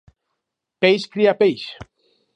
Peix cria peix.